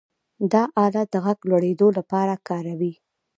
دا آله د غږ د لوړېدو لپاره کاروي.